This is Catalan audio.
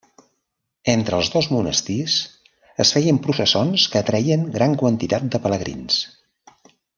Entre els dos monestirs es feien processons que atreien grans quantitats de pelegrins.